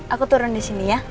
aku turun disini ya